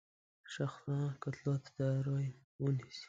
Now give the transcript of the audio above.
شخصا کتلو ته تیاری ونیسي.